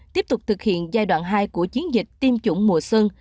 tiếp tục thực hiện giai đoạn hai của chiến dịch tiêm chủng mùa xuân